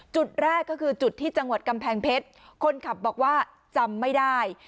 จุดแรกก็คือจุดที่จังหวัดกำแพงเพชรคนขับบอกว่าจำไม่ได้